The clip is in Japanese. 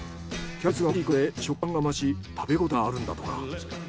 キャベツが大きいことで食感が増し食べ応えがあるんだとか。